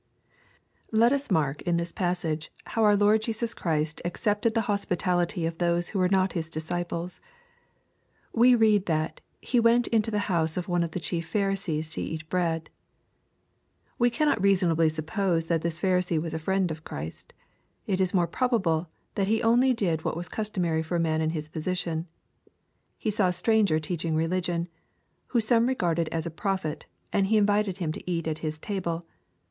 Let us mark in this psLSSSige, how our Lord Jesus Christ accepted the hospitality of those who were not His disci ples. We read that " He went into the house of one of the chief Pharisees to eat bread/' We cannot reas onably suppose that this Pharisee was a friend of Christ. It is more probable that he only did what was custom ary for a man in his position. He saw a stranger teach ing religion, whom some regarded as a prophet, and he invited Him to eat at his table.